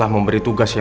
benar jeng ayu